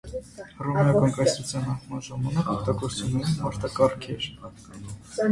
Հռոմեական կայսրության անկման ժամանակ օգտագործվում էին մարտակառքեր։